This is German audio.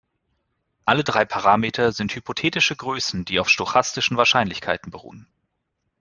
Alle drei Parameter sind hypothetische Größen, die auf stochastischen Wahrscheinlichkeiten beruhen.